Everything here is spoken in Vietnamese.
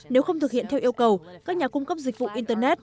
nếu không thực hiện theo yêu cầu các nhà cung cấp dịch vụ internet